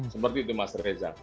seperti itu mas reza